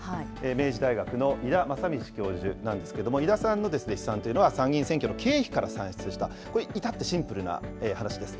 明治大学の井田正道教授なんですけれども、井田さんの試算というのは、参議院選挙の経費から算出した、これ、至ってシンプルな話です。